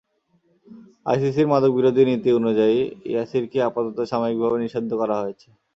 আইসিসির মাদক বিরোধী নীতি অনুযায়ী, ইয়াসিরকে আপাতত সাময়িক ভাবে নিষিদ্ধ করা হয়েছে।